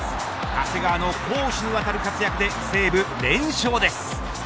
長谷川の攻守にわたる活躍で西武連勝です。